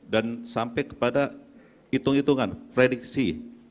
dan sampai kepada hitung hitungan prediksi